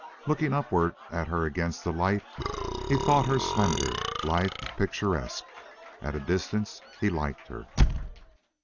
Looking upward at her against the light, he thought her slender, lithe, picturesque. At a distance he liked her.